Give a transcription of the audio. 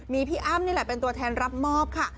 มีพี่อ้ำนี่แหละเป็นตัวแทนรับมอบค่ะ